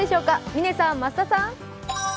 嶺さん、増田さん。